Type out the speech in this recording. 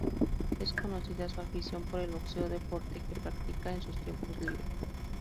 Es conocida su afición por el boxeo, deporte que practica en sus tiempos libre.